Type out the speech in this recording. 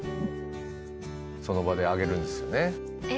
その場で揚げるんですよねこれ。